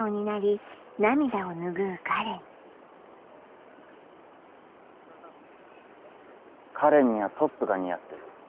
花恋にはトップが似合ってる。